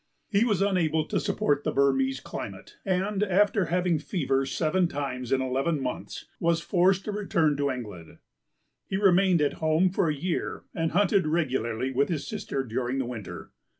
He was unable to support the Burmese climate and, after having fever seven times in eleven months, p. xivwas forced to return to England. He remained at home for a year and hunted regularly with his sister during the winter.